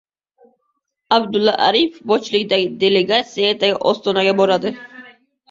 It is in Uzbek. Abdulla Aripov boshchiligidagi delegatsiya ertaga Ostonaga boradi